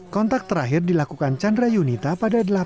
kontak terakhir dilakukan chandra yunita pada dua ribu delapan belas